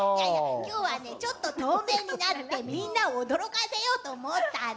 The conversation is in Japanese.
今日は透明になってみんなを驚かせようと思ったの。